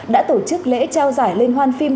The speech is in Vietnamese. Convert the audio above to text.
đã tổ chức lễ trao giải lên hoan phim